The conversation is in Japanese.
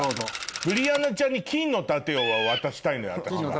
ブリアナちゃんに金の盾を渡したいのよ私は。